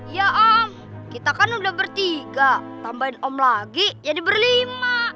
ya om kita kan udah bertiga tambahin om lagi jadi berlima